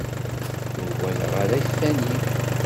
Ur walaɣ ara iffan-im?